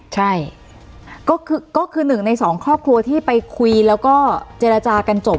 ใช่ก็คือหนึ่งในสองครอบครัวที่ไปคุยแล้วก็เจรจากันจบ